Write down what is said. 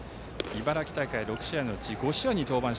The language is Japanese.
茨城大会は６試合のうち５試合に登板。